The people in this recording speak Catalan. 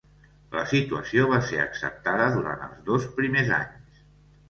La situació va ser acceptada durant els dos primers anys.